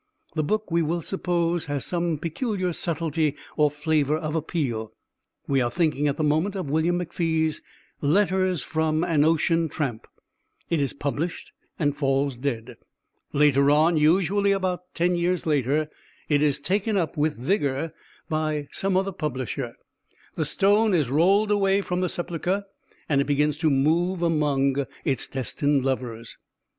The book, we will suppose, has some peculiar subtlety or flavour of appeal. (We are thinking at the moment of William McFee's "Letters From an Ocean Tramp.") It is published and falls dead. Later on usually about ten years later it is taken up with vigour by some other publisher, the stone is rolled away from the sepulchre, and it begins to move among its destined lovers.